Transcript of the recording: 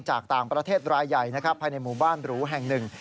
จากต่างประเทศรายใหญ่นะครับภายในหมู่บ้านหรูแห่งหนึ่ง